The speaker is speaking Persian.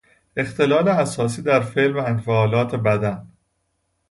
اختلال اساسی در فعل و انفعالات بدن